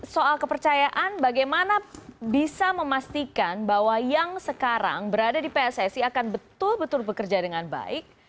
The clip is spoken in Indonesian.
soal kepercayaan bagaimana bisa memastikan bahwa yang sekarang berada di pssi akan betul betul bekerja dengan baik